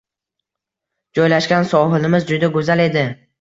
Joylashgan sohilimiz juda go‘zal edi.